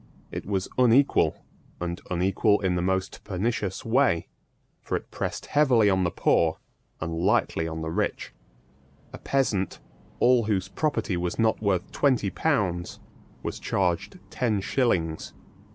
It was unequal, and unequal in the most pernicious way: for it pressed heavily on the poor, and lightly on the rich. A peasant, all whose property was not worth twenty pounds, was charged ten shillings.